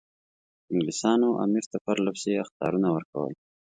انګلیسانو امیر ته پرله پسې اخطارونه ورکول.